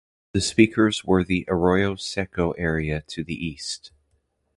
The speakers were the Arroyo Seco area to the east.